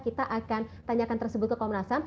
kita akan tanyakan tersebut ke komnasya